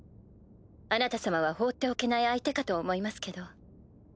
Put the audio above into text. あなた様は放っておけない相手かと思いますけど。